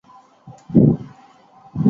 透射系数是透射值与入射值的比率。